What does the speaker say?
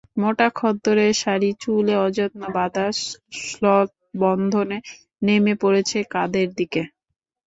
মোটা খদ্দরের শাড়ি, চুল অযত্নে বাঁধা, শ্লথবন্ধনে নেমে পড়েছে কাঁধের দিকে।